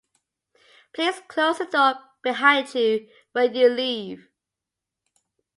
Please close the door behind you when you leave.